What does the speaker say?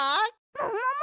ももも！